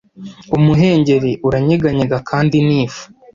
umuhengeri uranyeganyega kandi ni ifu